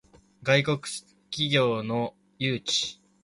外国企業の誘致